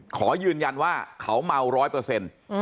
ขอยืนยันว่าเขาเมาร้อยเปอร์เซ็นต์